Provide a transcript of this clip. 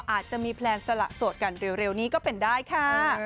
อาจจะมีแพลนสละโสดกันเร็วนี้ก็เป็นได้ค่ะ